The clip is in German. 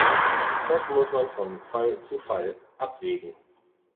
Das muss man von Fall zu Fall abwägen.